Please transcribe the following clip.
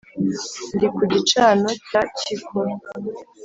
ndi ku gicano cya cyikora